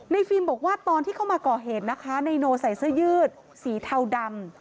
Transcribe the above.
ฟิล์มบอกว่าตอนที่เข้ามาก่อเหตุนะคะนายโนใส่เสื้อยืดสีเทาดำ